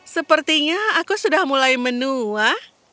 sepertinya aku sudah mulai menua